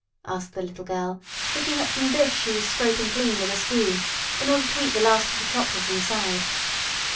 asked the little girl, looking up from the dish she was scraping clean with a spoon, in order to eat the last of the chocolate inside.